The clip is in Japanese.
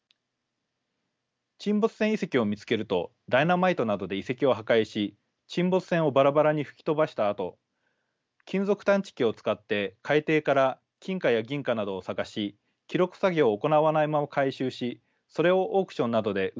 沈没船遺跡を見つけるとダイナマイトなどで遺跡を破壊し沈没船をバラバラに吹き飛ばしたあと金属探知機を使って海底から金貨や銀貨などを探し記録作業を行わないまま回収しそれをオークションなどで売っているのです。